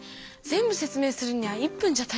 せつ明するには１分じゃ足りないよ。